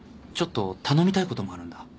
ちょっと頼みたいこともあるんだ。